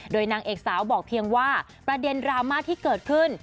โดยนางเอกสาวบอกเพียงว่าประเด็นดราม่าที่เกิดขึ้น